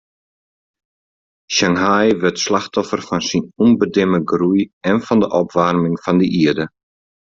Shanghai wurdt slachtoffer fan syn ûnbedimme groei en fan de opwaarming fan de ierde.